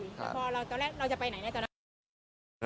ตอนแรกเราจะไปไหนนะ